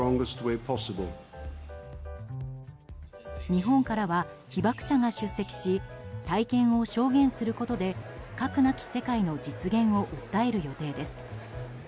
日本からは被爆者が出席し体験を証言することで核なき世界の実現を訴える予定です。